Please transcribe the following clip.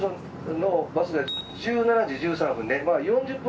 １７時１３分ね。